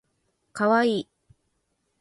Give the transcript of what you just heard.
かわいい